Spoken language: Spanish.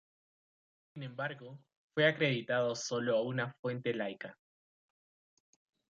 Sin embargo, fue acreditado solo a una "fuente laica".